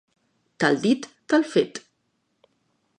Tal dit, tal fet.